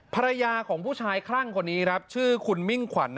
ภรรยาของผู้ชายคลั่งคนนี้คุณมิ่งขวัญ